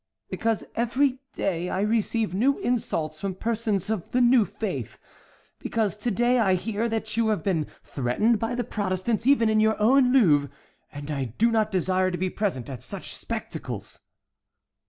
"Because every day I receive new insults from persons of the new faith; because to day I hear that you have been threatened by the Protestants even in your own Louvre, and I do not desire to be present at such spectacles."